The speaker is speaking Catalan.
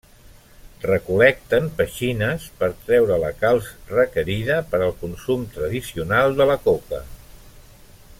Recol·lecten petxines per treure la calç requerida per al consum tradicional de la coca.